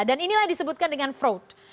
dan inilah disebutkan dengan fraud